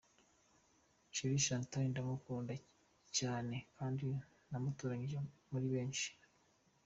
Cher Chantal ndamukunda cyane kandi namutoranyije muri benshi.